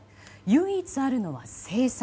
唯一あるのは清算。